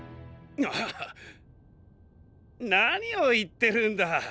ななにをいってるんだ？